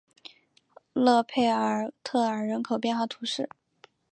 勒佩尔特尔人口变化图示